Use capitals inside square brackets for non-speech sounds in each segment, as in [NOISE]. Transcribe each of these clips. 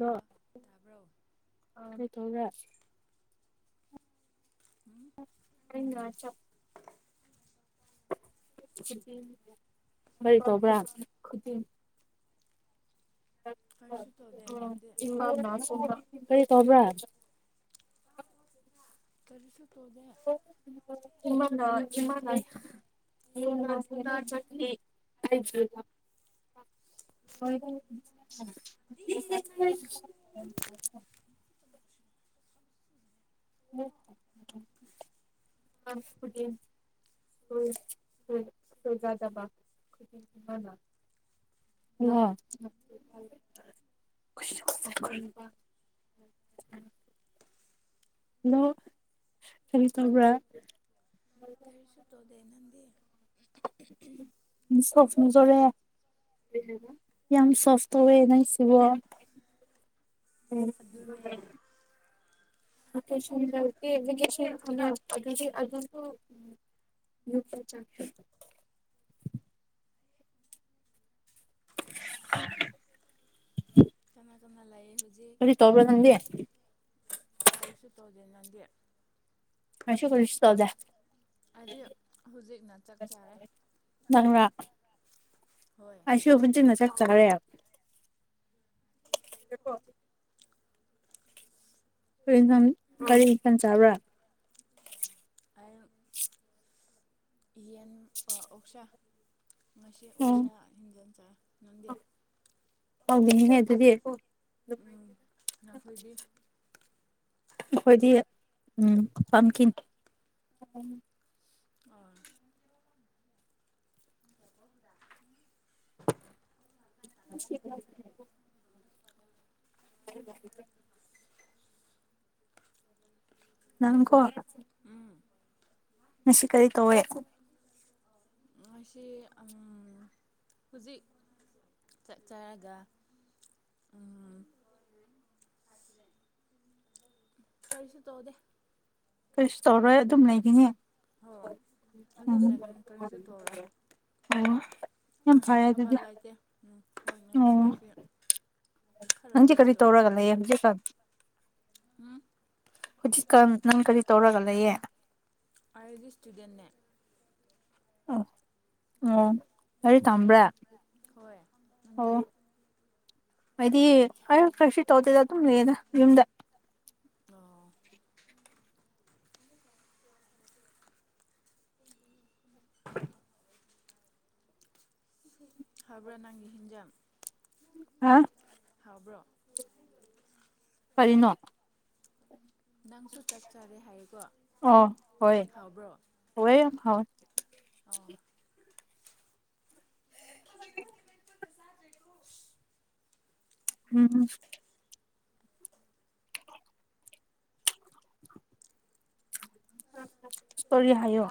Hello ꯇꯥꯕ꯭ꯔꯣ ꯊ ꯍꯖ ꯎꯝ ꯀ ꯆꯞ ꯀꯔꯤ ꯇꯧꯕ꯭ꯔꯥ ꯀꯔꯤꯁꯨ ꯇꯧꯗꯦ ꯅꯪꯗꯤ ꯀꯩ ꯇꯧꯕ꯭ꯔꯥ ꯇꯔꯤꯁꯨ [INAUDIBLE] ꯃ ꯐ ꯆꯠꯂꯤ ꯍ [UNINTELLIGIBLE] ꯗꯤ ꯍ ꯍ ꯍꯣꯏ [INAUDIBLE] [INAUDIBLE] ꯍꯗꯣ ꯈꯔꯤ ꯇꯧꯕ꯭ꯔꯥ ꯀꯔꯤꯁꯨ ꯇꯧꯗꯦ ꯅꯪꯗꯤ ꯁꯧ ꯐꯣꯡꯖꯣꯔꯦ ꯌꯥꯝ ꯁꯣꯐꯇꯋꯦ ꯅ ꯁꯤꯕꯨ ꯎꯝ ꯑꯗꯨꯅꯦ [INAUDIBLE] ꯑꯗꯨꯗꯤ ꯑꯗꯨꯁꯨ ꯎꯝ ꯌꯄ ꯆ [INAUDIBLE] ꯑ ꯀꯃ ꯇꯝ ꯂꯩꯌꯦ ꯍꯧꯖꯤꯛ ꯀꯔꯤ ꯇꯧꯕ꯭ꯔꯥ ꯅꯪꯗꯤ ꯀꯜꯁꯨ ꯇꯧꯗꯦ ꯅꯪꯗꯤ ꯑꯩꯁꯨ ꯀꯔꯤꯁꯨ ꯇꯧꯗꯦ ꯑꯩꯗꯤ ꯍꯧꯖꯤꯛꯅ ꯆꯥꯛ ꯆꯥꯔꯦ ꯅꯪꯔꯥ ꯍꯣꯏ ꯑꯩꯁꯨ ꯍꯨꯖꯤꯛꯅ ꯆꯛ ꯆꯥꯔꯦ ꯀꯣ ꯀꯔꯤ ꯏꯪꯁꯥꯡ ꯀꯔꯤ ꯃꯊꯜ ꯆꯥꯕ꯭ꯔꯥ ꯑ ꯌꯦꯟ ꯑꯣꯛꯁꯥ ꯃꯁꯤ ꯑꯣꯁꯥ ꯑꯣ ꯍꯖꯟ ꯆ ꯊꯩꯒꯗꯤ ꯇꯥꯎꯅꯤꯡꯉꯦ ꯑꯗꯨꯗꯤ ꯎꯝ ꯅꯈꯣꯏꯗꯤ ꯑꯩꯈꯣꯏꯗꯤ ꯎꯝ ꯄꯝꯀꯤꯟ ꯑꯣ [INAUDIBLE] ꯍ [INAUDIBLE] ꯅꯪꯀꯣ ꯎꯝ ꯃꯁꯤ ꯀꯔꯤ ꯀꯧꯋꯦ ꯁꯤ ꯍꯧꯖꯤꯛ ꯆꯛ ꯆꯥꯔꯒ ꯑ ꯀꯔꯤꯁꯨ ꯇꯧꯗꯦ ꯀꯩꯁꯨ ꯇꯧꯔꯣꯏꯌꯦ ꯎꯝ ꯍꯣꯏ ꯑꯗꯨꯝꯅꯦ ꯎꯝ ꯑꯗꯨ ꯀꯔꯤꯁꯨ ꯇꯧꯔꯣꯏ ꯑꯣ ꯌꯥꯝ ꯉꯁꯤ ꯐꯔꯦ ꯑꯗꯨꯗꯤ ꯊꯕꯜ ꯂꯩꯇꯦ ꯎꯝ ꯍꯣꯏ ꯑꯣ ꯉꯁꯤ ꯈꯔ ꯅꯪꯗꯤ ꯀꯔꯤ ꯔꯦꯁ ꯇꯧꯔꯒ ꯂꯩꯌꯦ ꯇꯧꯒꯦ ꯍꯧꯖꯤꯛꯀꯥꯟ ꯎꯝ ꯍꯧꯖꯤꯛꯀꯥꯟ ꯅꯪ ꯀꯔꯤ ꯇꯧꯔꯒ ꯂꯩꯌꯦ ꯑꯩꯒꯤ ꯏꯁꯇꯨꯗꯦꯟꯅꯦ ꯑꯣ ꯑꯣ ꯀꯔꯤ ꯇꯝꯕ꯭ꯔ ꯍꯣꯏ ꯅꯪꯗꯤ ꯑꯣ ꯍꯥꯏꯗꯤ ꯑꯩ ꯀꯩꯁꯨ ꯇꯧꯗꯦꯗ ꯑꯗꯨꯝ ꯂꯩꯌꯦꯅ ꯌꯨꯝꯗ ꯑꯣ [UNINTELLIGIBLE] ꯎꯝ ꯍꯥꯎꯕ꯭ꯔ ꯅꯣꯏ ꯏꯟꯖꯥꯪ ꯍꯥꯥ ꯍꯥꯎꯕ꯭ꯔꯣ ꯀꯔꯤꯅꯣ ꯅꯪꯁꯨ ꯆꯥꯛ ꯆꯥꯔꯦ ꯍꯥꯏꯌꯦꯀꯣ ꯑꯣ ꯍꯣꯏ ꯍꯥꯎꯕ꯭ꯔꯣ ꯍꯋꯥꯏ ꯌꯥꯝ ꯍꯥꯎꯋꯦ ꯑꯣ [UNINTELLIGIBLE] [UNINTELLIGIBLE] ꯎꯝ ꯀꯔꯤ ꯍꯥꯏꯌꯣ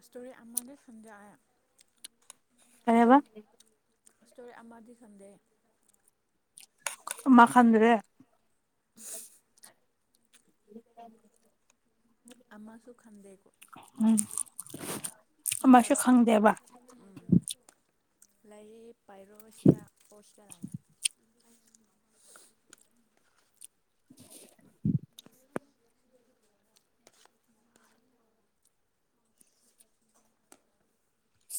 ꯏꯁꯇꯣꯔꯤ ꯑꯃꯗ ꯁꯟꯗꯦ ꯑꯌꯥ ꯀꯩ ꯍꯥꯏꯕ ꯏꯁꯇꯣꯔꯤ ꯑꯃꯗꯤ ꯈꯪꯗꯦ ꯑꯃ ꯈꯟꯗ꯭ꯔꯦ [UNINTELLIGIBLE] ꯑꯃꯁꯨ ꯈꯟꯗꯦꯀꯣ ꯎꯝ ꯑꯝꯇ ꯑꯃꯁꯨ ꯈꯪꯗꯦꯕ ꯎꯝ ꯂꯥꯏꯔꯤ ꯄꯥꯏꯔꯣ ꯁꯤꯗ ꯑꯣꯁ [UNINTELLIGIBLE]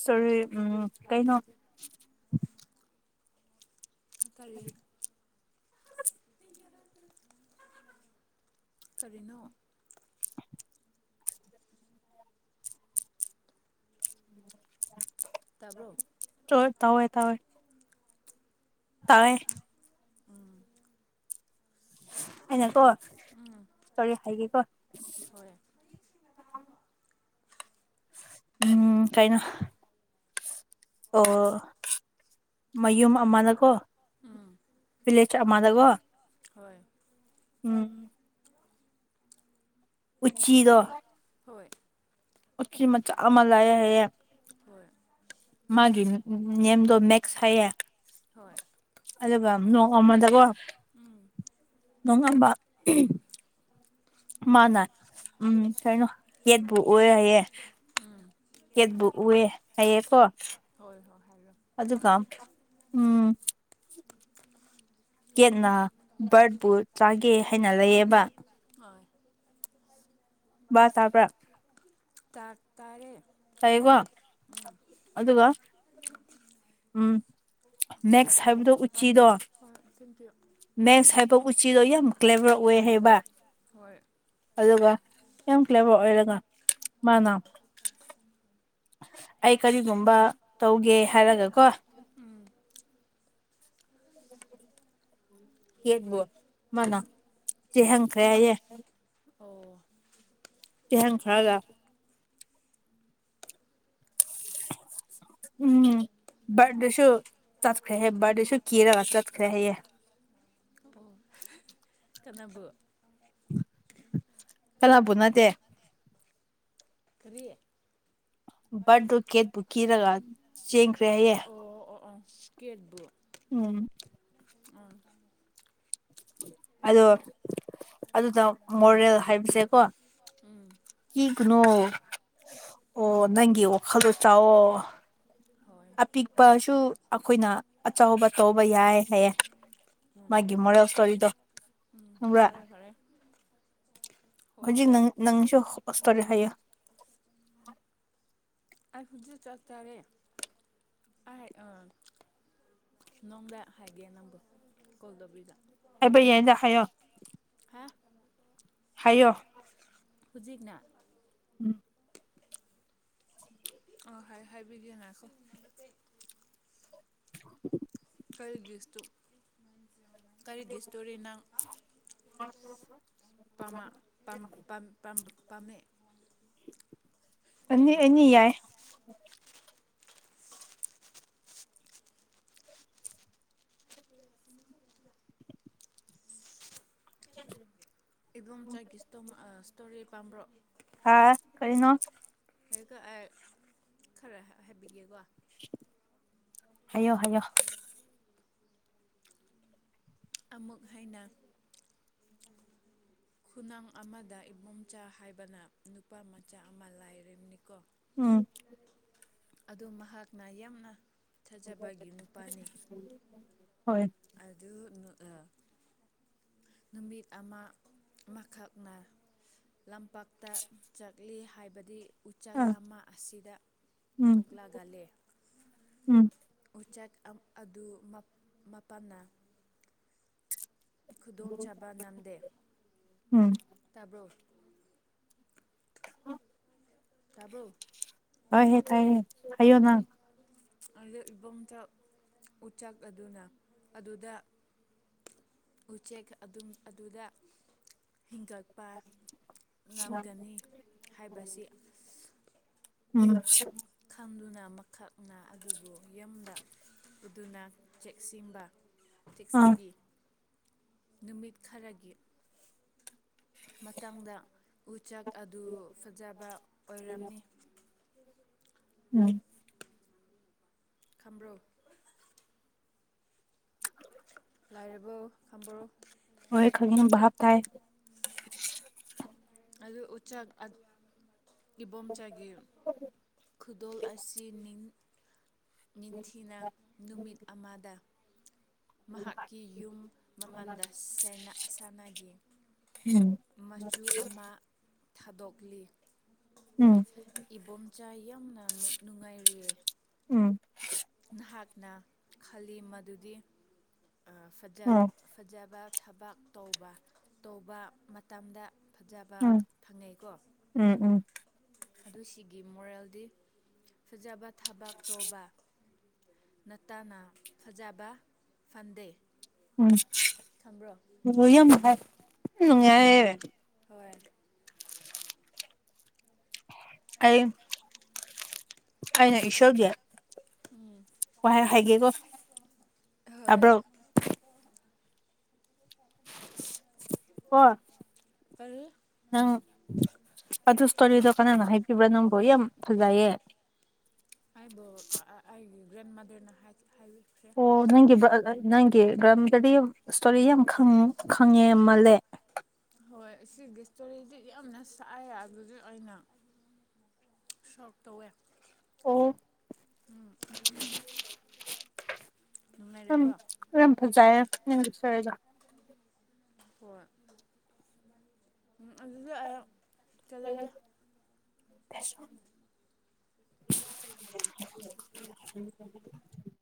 ꯁꯣꯔꯤ ꯎꯝ ꯀꯩꯅꯣ [UNINTELLIGIBLE] ꯀꯔꯤꯅꯣ ꯇꯥꯕ꯭ꯔꯣ [UNINTELLIGIBLE] ꯇꯧ ꯇꯧꯋꯦ ꯇꯧꯋꯦ ꯇꯥꯏ ꯎꯝ ꯑꯩꯅꯀꯣ ꯎꯝ ꯁꯣꯔꯤ ꯍꯥꯏꯒꯦꯀꯣ ꯍꯣꯏ ꯎꯝ ꯀꯩꯅꯣ ꯑꯣ ꯃꯌꯨꯝ ꯑꯃꯅꯀꯣ ꯎꯝ ꯄꯤꯂꯦꯠ ꯑꯃꯗꯀꯑꯣ ꯍꯣꯏ ꯎꯝ ꯎꯆꯤꯗꯣ ꯍꯣꯏ ꯎꯆꯤ ꯃꯆꯥ ꯑꯃ ꯂꯥꯛꯑꯦ ꯍꯥꯏꯌꯦ ꯍꯣꯏ ꯃꯥꯒꯤ ꯅꯦꯝꯗꯣ ꯃꯦꯛꯁ ꯍꯥꯏꯌꯦꯦ ꯍꯣꯏ ꯑꯗꯨꯒ ꯅꯣꯡ ꯑꯃꯗꯀꯣ ꯎꯝ ꯅꯣꯡꯉꯝꯕ ꯃꯥꯅ ꯎꯝ ꯀꯩꯅꯣ ꯀꯦꯠꯄꯨ ꯑꯣꯏ ꯍꯥꯏꯌꯦ ꯎꯝ ꯀꯦꯠꯕꯨꯨ ꯎꯑꯦ ꯍꯥꯏꯌꯦꯀꯣ ꯍꯣꯏ ꯍꯣꯏ ꯍꯥꯏꯔꯣ ꯑꯗꯨꯒ ꯎꯝ ꯀꯦꯠꯅ ꯕꯥꯔꯠꯄꯨ ꯆꯥꯒꯦ ꯍꯥꯏꯅ ꯂꯩꯑꯦꯕ ꯕꯥꯕ ꯇꯥꯕ꯭ꯔꯥ ꯇꯥ ꯇꯔꯦ ꯇꯥꯏꯑꯦꯀꯣ ꯑꯗꯨꯒ ꯎꯝ ꯃꯦꯛꯁ ꯍꯥꯏꯕꯗꯣ ꯎꯆꯤꯗꯣ ꯍꯣꯏ ꯊꯦꯡꯀ꯭ꯌꯨ ꯃꯦꯛꯁ ꯎꯝ ꯍꯥꯏꯕ ꯎꯆꯤꯗꯣ ꯌꯥꯝ ꯐ꯭ꯂꯦꯚꯔ ꯑꯣꯏ ꯍꯥꯏꯕ ꯍꯣꯏ ꯑꯗꯨꯒ ꯌꯥꯝ ꯐ꯭ꯂꯦꯚꯔ ꯑꯣꯏꯔꯒ ꯃꯥꯅ ꯑꯩ ꯀꯔꯤꯒꯨꯝꯕ ꯇꯧꯒꯦ ꯍꯥꯏꯔꯒꯀꯣ ꯎꯝ ꯎ [UNINTELLIGIBLE] ꯆꯦꯍꯟꯈ꯭ꯔꯦ ꯍꯥꯏꯌꯦ ꯑꯣ ꯍꯪ ꯈꯔꯒ ꯎꯝ ꯕꯥꯔꯗꯁꯨ ꯆꯠꯈꯔꯦꯍꯦ ꯕꯔꯗꯁꯨ ꯀꯤꯔ ꯆꯠꯈꯔꯦꯌꯦ ꯀꯅꯥꯕꯨ ꯀꯅꯥꯕꯨ ꯅꯠꯇꯦ ꯀꯔꯤ ꯕꯥꯔꯠ ꯗꯣ ꯀꯦꯠꯄꯨ ꯀꯤꯔꯒ ꯆꯦꯟꯈ꯭ꯔꯦ ꯍꯥꯏꯌꯦ ꯑꯣ ꯑꯣ ꯑꯣ ꯀꯦꯠꯕꯨ ꯎꯝ ꯎꯝ ꯑꯗꯣ ꯑꯗꯨꯗ ꯃꯣꯔꯦꯜ ꯍꯥꯏꯕꯁꯦꯀꯣ ꯎꯝ ꯀꯤꯒꯅꯨ ꯑꯣ ꯅꯪꯒꯤ ꯋꯥꯈꯜꯗꯣ ꯆꯥꯎꯥꯛꯋꯣ ꯍꯣꯏ ꯑꯄꯤꯛꯄꯁꯨ ꯑꯩꯈꯣꯏꯅ ꯑꯆꯧꯕ ꯇꯧꯕ ꯌꯥꯏ ꯍꯥꯏꯌꯦ ꯎꯝ ꯃꯥꯒꯤ ꯎꯝ ꯃꯣꯔꯦꯜ ꯏꯁꯇꯣꯔꯤꯗꯣ ꯎꯝ ꯈꯪꯕ꯭ꯔꯥ ꯐꯔꯦ ꯐꯔꯦ ꯍꯣꯏ ꯍꯧꯖꯤꯛ ꯐꯔꯦ ꯅꯪꯁꯨ ꯀꯣꯁꯇꯣꯔꯦ ꯍꯥꯏꯌꯦ [INAUDIBLE] ꯑꯩ ꯍꯧꯖꯤꯛ ꯆꯠ ꯆꯥꯔꯦ ꯑꯩ ꯑꯥ ꯅꯪꯗ ꯍꯥꯏꯒꯦ ꯅꯝꯕꯔ ꯀꯣꯜ ꯇꯧꯕꯗ ꯍꯥꯏꯕ ꯌꯥꯏꯗ ꯍꯥꯏꯌꯣ [UNINTELLIGIBLE] ꯍꯥꯏꯌꯣ ꯍꯧꯖꯤꯛꯅ ꯎꯝ ꯑ ꯍꯥꯏꯕꯤꯒꯦ ꯉꯥꯏꯈꯣ [INAUDIBLE] ꯈꯔꯤꯗꯤꯁꯨꯝ [UNINTELLIGIBLE] ꯀꯔꯤꯒꯤ ꯏꯁꯇꯣꯔꯤꯅꯪ ꯥꯅꯨꯄꯥ ꯑꯃ ꯄꯥꯝ ꯄꯥꯝ ꯄꯥꯝꯃꯦ ꯑꯅꯤ ꯑꯅꯤ ꯌꯥꯏ [INAUDIBLE] ꯑꯦꯝ ꯆꯥꯛꯒꯤ꯭ꯁ ꯏꯁꯇꯣꯔꯤ ꯀꯝꯝꯕꯔꯣ ꯍꯥꯥ ꯀꯩꯅꯣ ꯈꯔ ꯍꯥꯏꯕꯤꯒꯦꯀꯣ ꯍꯥꯏꯌꯣ ꯍꯥꯏꯌꯣ ꯑꯃꯨꯛ ꯍꯟꯅ ꯈꯨꯅꯥꯪ ꯑꯃꯗ ꯏꯕꯣꯝꯆꯥ ꯍꯥꯏꯕꯅ ꯅꯨꯄꯥ ꯃꯆꯥ ꯑꯃ ꯂꯥꯏꯅꯤꯀꯣ ꯎꯝ ꯑꯗꯨ ꯃꯍꯥꯛꯅ ꯌꯥꯝꯅ ꯊꯥꯖꯕꯒꯤ ꯅꯨꯄꯥꯅꯤ ꯍꯣꯏ ꯑꯗꯨ ꯅꯨꯃꯤꯠ ꯑꯃ ꯑꯃꯈꯛꯅ ꯂꯝꯄꯥꯛꯛꯇ ꯆꯠꯂꯤ ꯍꯥꯏꯕꯗꯤ ꯎꯆꯥꯛ ꯑ ꯑꯃ ꯑꯁꯤꯗ ꯎꯝ ꯊꯣꯛꯂꯛꯒꯂ ꯎꯝ ꯎꯆꯥꯛ ꯑꯗꯨ ꯄꯅꯥ ꯈꯨꯗꯣꯡꯆꯥꯥꯕ ꯅꯝꯗꯦ ꯎꯝ ꯇꯥꯕ꯭ꯔꯣ ꯇꯥꯕ꯭ꯔꯣ ꯍ ꯍꯦ ꯇꯥꯏꯦ ꯍꯥꯏꯌꯣ ꯅ ꯏꯕꯨꯡꯆꯥ ꯎꯆꯦꯛ ꯑꯗꯨꯅ ꯑꯗꯨꯗ ꯎꯆꯦꯛ ꯑꯗꯨꯝ ꯑꯗꯨꯗ ꯍꯤꯡꯒꯠꯄ ꯉꯝꯒꯅꯤ ꯍꯥꯏꯕꯁꯤ ꯎꯝ ꯄꯨꯟꯗꯨꯅ ꯃꯈꯛꯅ ꯑꯗꯨꯕꯨ ꯌꯨꯝꯗ ꯎꯗꯨꯅ ꯆꯦꯛꯁꯤꯟꯕ ꯑꯥ ꯆꯦꯛꯁꯤꯕꯤ ꯅꯨꯃꯤꯠ ꯈꯔꯒꯤ ꯃꯇꯥꯡꯗ ꯎ ꯎꯆ ꯆꯥꯛ ꯑꯗꯨ ꯐꯖꯕ ꯑꯣꯏꯔꯝꯃꯤ ꯎꯝ ꯈꯝꯝꯕ꯭ꯔꯣ ꯂꯥꯏꯔꯕꯣ ꯈꯝꯕ꯭ꯔꯣ ꯍꯣꯏ ꯈꯪꯉꯦ ꯚꯥꯞ ꯇꯥꯏ ꯑꯗꯨ ꯍ ꯎꯆꯆꯥ ꯑ ꯏꯕꯣꯝꯆꯥꯒꯤ ꯈꯨꯗꯣꯜ ꯑꯁꯤ ꯅꯤꯡꯊꯤꯅ ꯅꯨꯃꯤꯠ ꯑꯃꯗ ꯃꯍꯥꯛꯀꯤ ꯌꯨꯝ ꯃꯃꯜꯗꯅꯥ ꯑꯁꯥꯟꯅꯒꯤ ꯎꯝ ꯃꯆꯨ ꯑꯃ ꯊꯥꯗꯣꯛꯂꯤ ꯎꯝ ꯏꯝ ꯆꯥꯏ ꯌꯥꯝꯅ ꯅꯨꯡꯉꯥꯏꯔꯤꯑꯌꯦ ꯎꯝ ꯅꯍꯥꯛꯅ ꯈꯜꯂꯤ ꯃꯗꯨꯗꯤ ꯐꯖꯥ ꯎꯝ ꯐꯖꯥꯕꯥꯛ ꯊꯕꯛ ꯇꯧꯕ ꯇꯧꯕ ꯃꯇꯝꯗ ꯐꯖꯕ ꯎꯝ ꯐꯪꯉꯦꯀꯣ ꯎꯝ ꯎꯝ ꯑꯗꯨ ꯁꯤꯒꯤ ꯃꯣꯔꯦꯜꯗꯤ ꯐꯖꯕ ꯊꯕꯛ ꯇꯧꯕ ꯅꯠꯇꯥꯅ ꯐꯖꯕ ꯐꯪꯗꯦ ꯈꯪꯕ꯭ꯔꯣ? ꯎꯝ ꯌꯥꯝ ꯍꯥꯏ ꯎ ꯌꯥꯑꯌꯦ ꯍꯣꯏ ꯑꯩ ꯑꯩꯅ ꯏꯁꯣꯔꯒꯤ ꯋꯥ ꯍꯥꯏꯒꯦꯀꯣ ꯍꯣꯏ ꯇꯥꯕ꯭ꯔꯣ ꯑ ꯀꯣ ꯀꯔꯤ? ꯅꯪ ꯑꯗꯨ ꯏꯁꯇꯣꯔꯤꯗꯣ ꯀꯅꯥꯅ ꯍꯥꯏꯕꯤꯕ꯭ꯔꯥ ꯅꯪꯕꯨ ꯌꯥꯝ ꯐꯖꯩꯌꯦ ꯭ꯔꯦꯟ ꯃꯗꯅ ꯍꯥꯏ ꯍꯥꯏ ꯑꯣ ꯅꯪꯒꯤ ꯅꯪꯒꯤ ꯒꯃꯗꯗꯤ ꯏꯁꯇꯣꯔꯤ ꯌꯥꯝ ꯈꯪꯉꯦ ꯃꯥꯜꯂꯦ ꯍꯣꯏ ꯁꯤꯒꯤ ꯏꯁꯇꯣꯔꯤꯁꯤ ꯌꯥꯝꯅ ꯁꯥꯏꯌꯦ ꯑꯗꯨꯒꯤ ꯑꯩꯅ ꯁꯞ ꯇꯧꯋꯦ ꯑꯣ ꯅꯨꯡꯉꯥꯏꯔꯦꯀꯣ ꯌꯥꯝꯝ ꯐꯖꯩꯌꯦ ꯅꯪꯒꯤ ꯏꯁꯇꯣꯔꯤꯗꯣ ꯍꯣꯏ ꯑꯗꯨꯗꯤ ꯑꯩ ꯆꯠꯂꯒꯦ [INAUDIBLE]